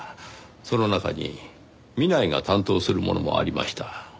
その中に南井が担当するものもありました。